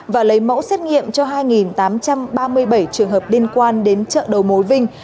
và lấy mẫu xét nghiệm cho hai tám trăm ba mươi bảy trường hợp liên quan đến chợ đầu mối vinh